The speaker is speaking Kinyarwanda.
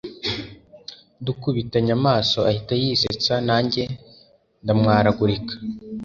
dukubitanye amaso ahita yisetsa nanjye ndamwaragurika